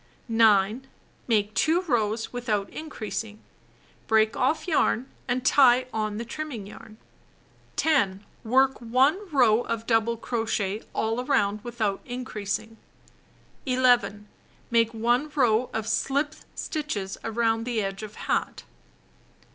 9. Make 2 rows without increasing. Break off yarn and tie on the trimming yarn. 10. Work 1 row of double crochet all around without increasing. 11. Make 1 row of slip stitches around the edge of hat.